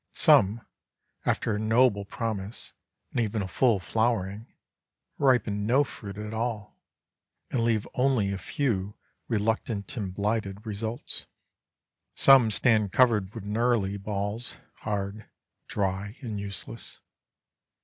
Some, after a noble promise and even a full flowering, ripen no fruit at all, and leave only a few reluctant and blighted results. Some stand covered with "nurly" balls, hard, dry, and useless.